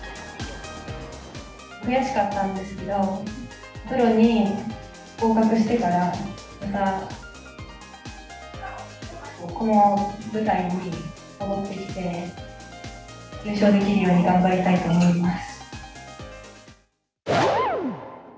悔しかったんですけれども、プロに合格してからまたこの舞台に戻ってきて、優勝できるように頑張りたいと思います。